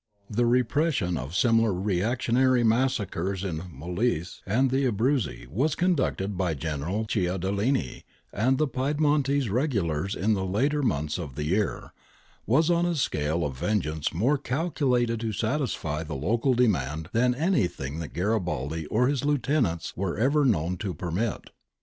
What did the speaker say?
The repression of similar reactionary massacres in Molise and the 1 88 GARIBALDI AND THE MAKING OF ITALY Abruzzi, as conducted by General Cialdini and the Piedmontese regulars in the later months of the year, was on a scale of vengeance more calculated to satisfy the local demand than anything that Garibaldi or his lieutenants were ever known to permit.